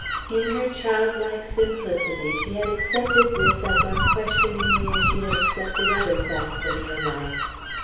In her childlike simplicity she had accepted this as unquestioningly as she had accepted other facts in her life.